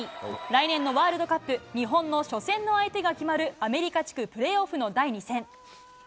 来年のワールドカップ、日本の初戦の相手が決まる、アメリカ地区プレーオフの第２戦。